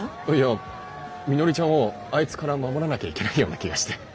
あいやみのりちゃんをあいつから守らなきゃいけないような気がして。